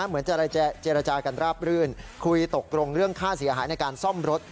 เหมือนจะเจรจากันราบรื่นคุยตกลงเรื่องค่าเสียหายในการซ่อมรถ